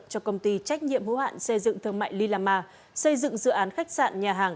cho công ty trách nhiệm hữu hạn xây dựng thương mại lila ma xây dựng dự án khách sạn nhà hàng